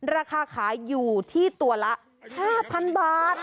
ราคาขายอยู่ที่ตัวละ๕๐๐๐บาท